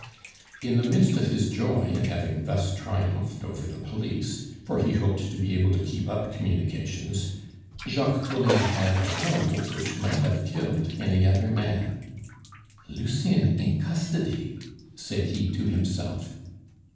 In the midst of his joy at having thus triumphed over the police, for he hoped to be able to keep up communications, Jacques Collin had a blow which might have killed any other man. "Lucien in custody!" said he to himself.